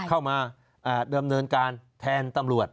เข้ามาดำเนินการแทนตำรวจ